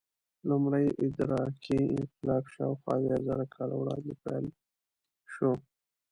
لومړی ادراکي انقلاب شاوخوا اویازره کاله وړاندې پیل شو.